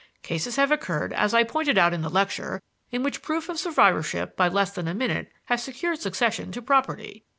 Cases have occurred, as I pointed out in the lecture, in which proof of survivorship by less than a minute has secured succession to property.